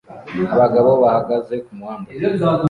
Abagabo bahagaze kumuhanda